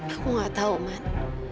aku gak tau man